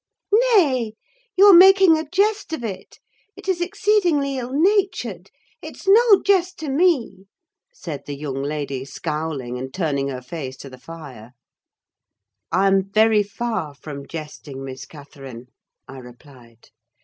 "Nay; you are making a jest of it: it is exceedingly ill natured! It's no jest to me!" said the young lady, scowling, and turning her face to the fire. "I'm very far from jesting, Miss Catherine," I replied.